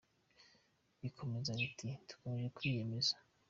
rikomeza riti Dukomeje kwiyemeza.